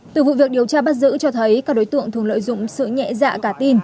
từ vụ việc điều tra bắt giữ cho thấy các đối tượng thường lợi dụng sự nhẹ dạ cả tin